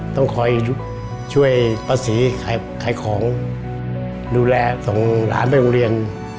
ต้องคอยช่วยป้าศรีขายของดูแลส่งหลานไปโรงเรียน